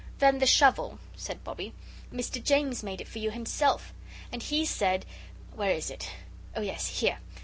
"Then the shovel," said Bobbie. "Mr. James made it for you himself. And he said where is it? Oh, yes, here!